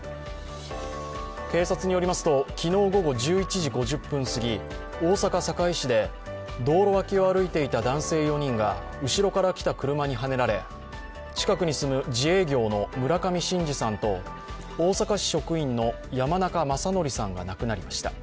警察によりますと昨日午後１１時５０分すぎ大阪・堺市で道路脇を歩いていた男性４人が後ろから来た車にはねられ近くに住む自営業の村上伸治さんと大阪市職員の山中正規さんが亡くなりました。